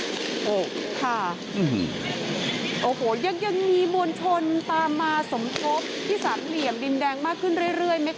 โอ้โหค่ะโอ้โหยังยังมีมวลชนตามมาสมทบที่สามเหลี่ยมดินแดงมากขึ้นเรื่อยไหมค